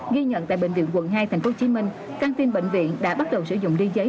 ghi nhận tại bệnh viện quận hai tp hcm căng tin bệnh viện đã bắt đầu sử dụng ly giấy